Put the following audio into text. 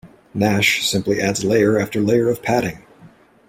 Nash simply adds layer after layer of padding.